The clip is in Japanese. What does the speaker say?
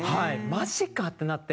マジかってなって。